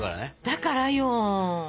だからよ。